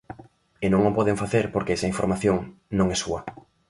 E non o poden facer porque esa información non é súa.